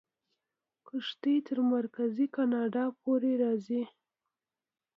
کښتۍ تر مرکزي کاناډا پورې راځي.